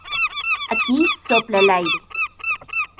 Aquí sopla el aire